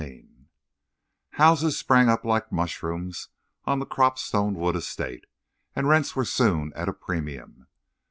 CHAPTER X Houses sprang up like mushrooms on the Cropstone Wood Estate, and rents were soon at a premium.